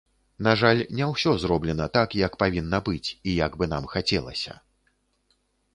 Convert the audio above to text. На жаль, не ўсё зроблена так, як павінна быць і як бы нам хацелася.